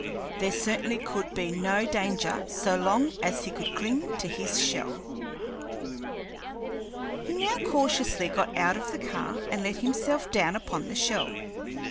There certainly could be no danger so long as he could cling to his shell. He now cautiously got out of the car and let himself down upon the shell.